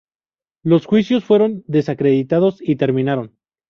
Los juicios fueron desacreditados y terminaron.